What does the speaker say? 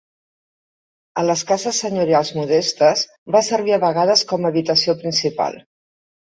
A les cases senyorials modestes va servir a vegades com habitació principal.